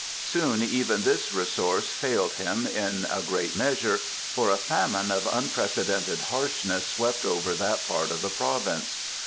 Soon even this resource failed him in a great measure, for a famine of unprecedented harshness swept over that part of the province.